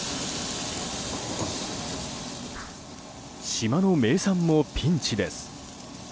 島の名産もピンチです。